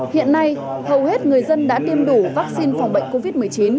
hiện nay hầu hết người dân đã tiêm đủ vaccine phòng bệnh covid một mươi chín